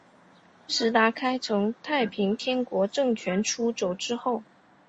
石达开从太平天国政权出走之后。